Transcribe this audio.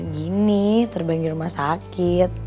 gini terbang di rumah sakit